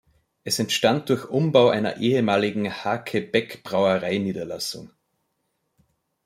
Es entstand durch Umbau einer ehemaligen Haake-Beck Brauerei-Niederlassung.